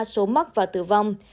số mắc và tử vong